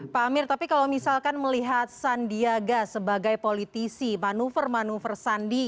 pak amir tapi kalau misalkan melihat sandiaga sebagai politisi manuver manuver sandi